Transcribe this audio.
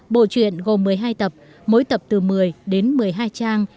bộ truyện gồm một mươi hai tập mỗi tập từ một mươi đến một mươi hai trang